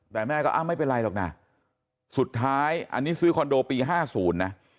แต่แม่ก็อ้าวไม่เป็นไรหรอกนะสุดท้ายอันนี้ซื้อคอนโดปี๕๐นะ